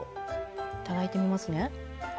いただいてみますね。